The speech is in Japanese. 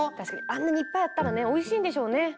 あんなにいっぱいあったらねおいしいんでしょうね。